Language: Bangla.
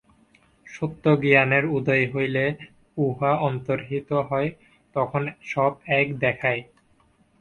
সত্যজ্ঞানের উদয় হইলে উহা অন্তর্হিত হয়, তখন সব এক দেখায়।